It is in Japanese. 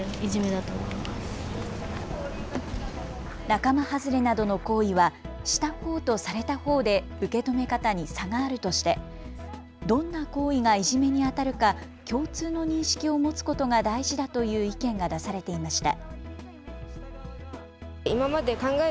仲間はずれなどの行為はしたほうとされたほうで受け止め方に差があるとしてどんな行為がいじめにあたるか共通の認識を持つことが大事だという意見が出されていました。